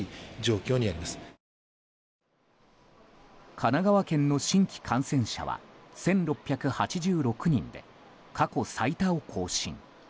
神奈川県の新規感染者は１６８６人で過去最多を更新。